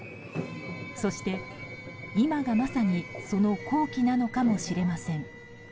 そして、今がまさにその好機なのかもしれません。